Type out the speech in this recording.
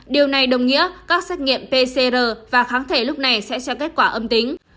điều này đồng nghĩa các xét nghiệm pcr và kháng thể lúc này sẽ cho kết quả âm tính